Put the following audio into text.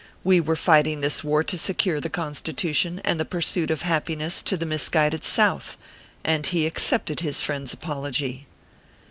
We were fighting this war to secure the Constitution and the pursuit of happiness to the misguided South, and he accepted his friend s apology.